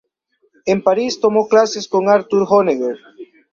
En París tomó clases con Arthur Honegger.